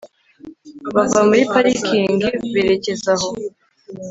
bava muri parikingi berekeza aho